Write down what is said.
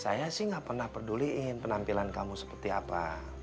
saya sih gak pernah peduliin penampilan kamu seperti apa